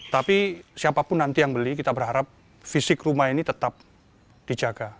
tapi siapapun nanti yang beli kita berharap fisik rumah ini tetap dijaga